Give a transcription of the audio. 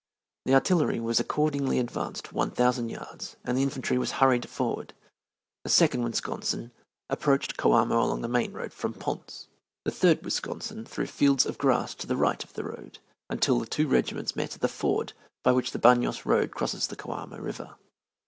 The artillery was accordingly advanced one thousand yards and the infantry was hurried forward. The Second Wisconsin approached Coamo along the main road from Ponce, the Third Wisconsin through fields of grass to the right of the road, until the two regiments met at the ford by which the Banos road crosses the Coamo River.